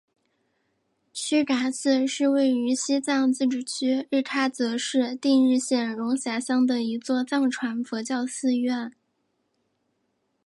曲嘎寺是位于西藏自治区日喀则市定日县绒辖乡的一座藏传佛教寺院。